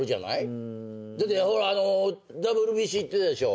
だってＷＢＣ行ってたでしょ。